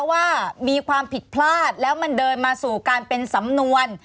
ว่ามีความผิดพลาดแล้วมันเดินมาสู่การเป็นสำนวน